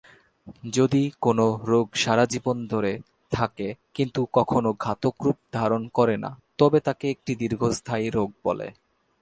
যদি কোনও রোগ সারা জীবন ধরে থাকে কিন্তু কখনও ঘাতক রূপ ধারণ করে না, তবে তাকে একটি দীর্ঘস্থায়ী রোগ বলে।